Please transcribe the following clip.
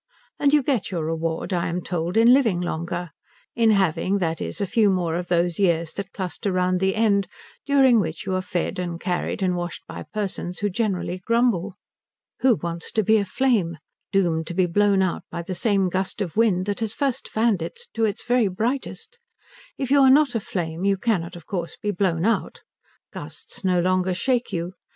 And you get your reward, I am told, in living longer; in having, that is, a few more of those years that cluster round the end, during which you are fed and carried and washed by persons who generally grumble. Who wants to be a flame, doomed to be blown out by the same gust of wind that has first fanned it to its very brightest? If you are not a flame you cannot, of course, be blown out. Gusts no longer shake you.